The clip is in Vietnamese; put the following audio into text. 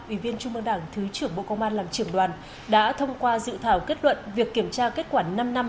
ủy viên trung mương đảng thứ trưởng bộ công an làm trưởng đoàn đã thông qua dự thảo kết luận việc kiểm tra kết quả năm năm